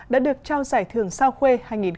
đã được trao giải thưởng sao khuê hai nghìn hai mươi bốn